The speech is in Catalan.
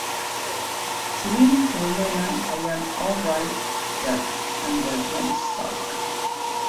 Sovint s'anomena "I'm Alright Jack and The Beanstalk".